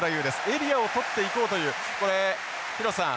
エリアを取っていこうというこれ廣瀬さん